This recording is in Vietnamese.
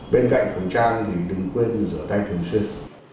bên cạnh khẩu trang thì đừng quên rửa tay thường xuyên